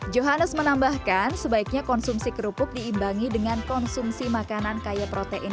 johannes menambahkan sebaiknya konsumsi kerupuk diimbangi dengan konsumsi makanan kaya protein